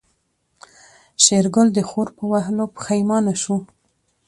شېرګل د خور په وهلو پښېمانه شو.